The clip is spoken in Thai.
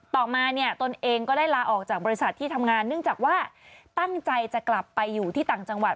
ต่อมาเนี่ยตนเองก็ได้ลาออกจากบริษัทที่ทำงานเนื่องจากว่าตั้งใจจะกลับไปอยู่ที่ต่างจังหวัด